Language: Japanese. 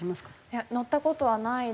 いや乗った事はないですね。